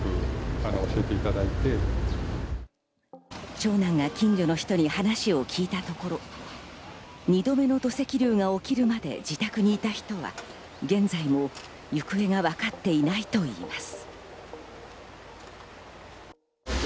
長男が近所の人に話を聞いたところ、２度目の土石流が起きるまで自宅にいた人は現在も行方がわかっていないと言います。